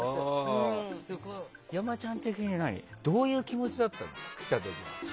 山ちゃん的に来た時どういう気持ちだったの。